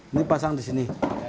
ini pasang di sini